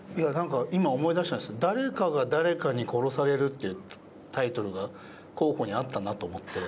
今思い出したんですけど。っていうタイトルが候補にあったなと思って。